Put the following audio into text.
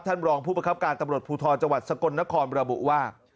รองผู้ประคับการตำรวจภูทรจังหวัดสกลนครระบุว่า